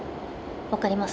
分かります？